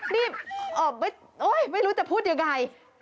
นี่ไม่รู้จะพูดยังไง